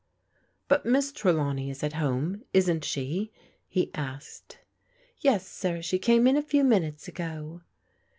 " But Miss Trelawney is at home, isn't she ?" he asked " Yes, sir, she came in a few minutes ago."